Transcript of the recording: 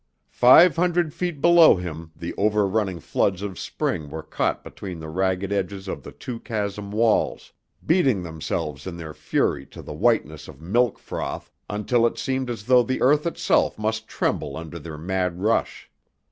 Five hundred feet below him the over running floods of spring were caught between the ragged edges of the two chasm walls, beating themselves in their fury to the whiteness of milk froth, until it seemed as though the earth itself must tremble under their mad rush.